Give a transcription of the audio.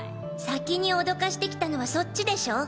先におどかしてきたのはそっちでしょ。